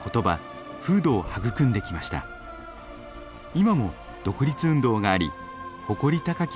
今も独立運動があり誇り高き